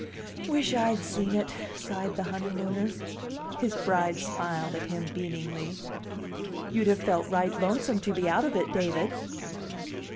"Wish I'd seen it!" sighed the honeymooner. His bride smiled at him beamingly. "You'd have felt right lonesome to be out of it, David."